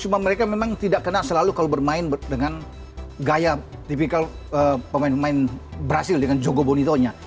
cuma mereka memang tidak kena selalu kalau bermain dengan gaya tipikal pemain pemain brazil dengan jogo bonitonya